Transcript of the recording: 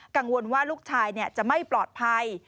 กังวลว่าลูกชายจะไม่ปลอดภัย